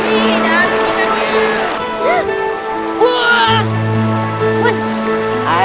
ini nari tikannya